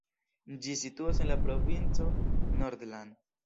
Ĝi situas en la provinco Nordland.